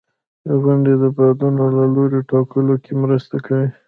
• غونډۍ د بادونو د لوري ټاکلو کې مرسته کوي.